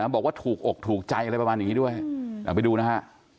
บอกว่าถูกอกถูกใจอะไรประมาณอย่างนี้ด้วยเอาไปดูนะฮะ